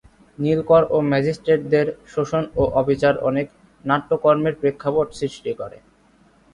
নীলকর ও ম্যাজিস্ট্রেটদের শোষণ ও অবিচার অনেক নাট্যকর্মের প্রেক্ষাপট সৃষ্টি করে।